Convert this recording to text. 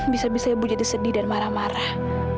bisa bisa ibu jadi sedih dan marah marah